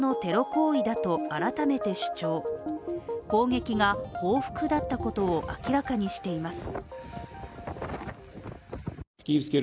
攻撃が報復だったことを明らかにしています。